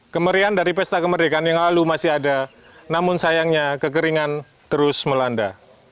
kemerian dari pesta kemerdekaan yang lalu masih ada namun sayangnya kekeringan terus melanda